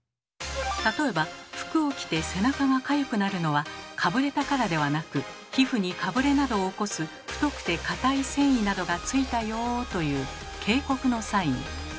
例えば服を着て背中がかゆくなるのはかぶれたからではなく皮膚にかぶれなどを起こす太くて硬い繊維などがついたよという警告のサイン。